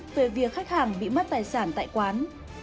về việc khách hàng bị mất tài sản tại quán